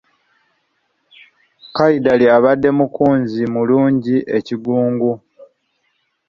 Kayidali abadde mukunzi mulungi e Kigungu.